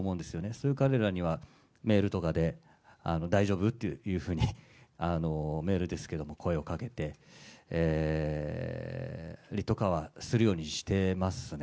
そういう彼らには、メールとかで大丈夫？っていうふうに、メールですけど、声をかけたりとかはするようにしてますね。